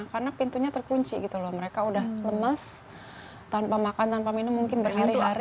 karena pintunya terkunci gitu loh mereka udah lemes tanpa makan tanpa minum mungkin berhari hari